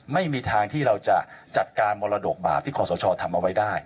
ไม่มีทางที่เราจะจัดการมรดกบาปที่ขอสชทำเอาไว้ได้